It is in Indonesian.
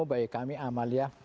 baik kami amaliah